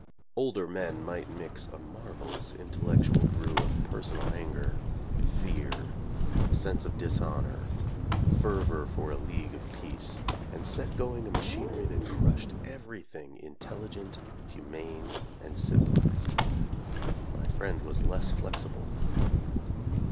Older men might mix a marvelous intellectual brew of personal anger, fear, a sense of "dishonor," fervor for a League of Peace, and set going a machinery that crushed everything in telligent, humane and civilized. My friend was less flexible.